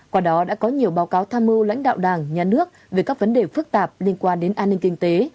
quả đó đã có nhiều báo cáo tham mưu lãnh đạo đảng nhà nước về các vấn đề phức tạp liên quan đến an ninh kinh tế